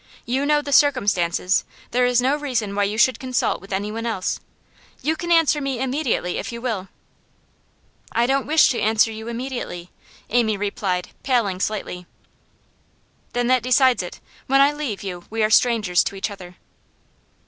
You know the circumstances; there is no reason why you should consult with anyone else. You can answer me immediately if you will.' 'I don't wish to answer you immediately,' Amy replied, paling slightly. 'Then that decides it. When I leave you we are strangers to each other.